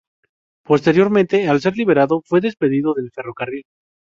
Posteriormente, al ser liberado, fue despedido del ferrocarril.